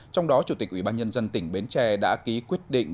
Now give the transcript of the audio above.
trong đó chủ tịch ubnd tỉnh bến tre đã ký quyết định